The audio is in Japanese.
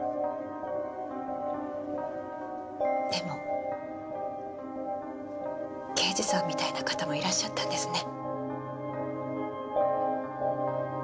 でも刑事さんみたいな方もいらっしゃったんですね。